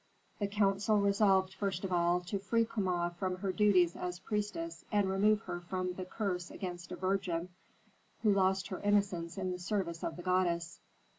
The council resolved, first of all, to free Kama from her duties as priestess and remove from her the curse against a virgin who lost her innocence in the service of the goddess.